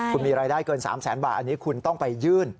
คุณมีรายได้เกิน๓แสนบาทอันนี้คุณต้องไปยื่น